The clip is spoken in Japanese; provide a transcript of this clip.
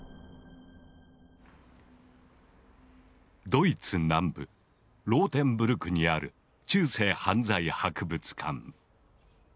ドイツ南部ローテンブルクにある中世犯罪博物館。